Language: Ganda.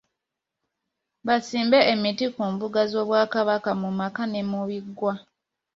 Basimbe emiti ku mbuga z’Obwakabaka, mu maka ne ku biggwa.